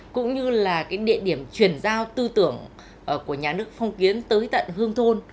cũng như là cái địa điểm chuyển giao tư tưởng của nhà nước phong kiến tới tận hương thôn